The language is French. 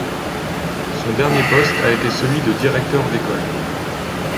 Son dernier poste a été celui de directeur d'école.